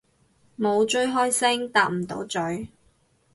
冇追開星搭唔到咀